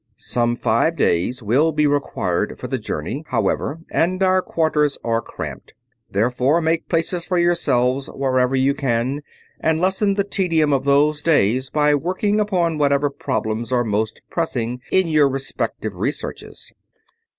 Some five days will be required for the journey, however, and our quarters are cramped. Therefore make places for yourselves wherever you can, and lessen the tedium of those days by working upon whatever problems are most pressing in your respective researches."